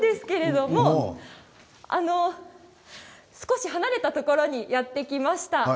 少し離れたところにやって来ました。